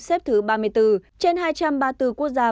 xếp thứ ba mươi bốn trên hai trăm ba mươi bốn quốc gia